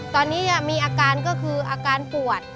ตอนนี้มีอาการก็คืออาการปวด